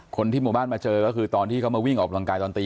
คนที่หมู่บ้านมาเจอก็คือตอนที่เขามาวิ่งออกกำลังกายตอนตี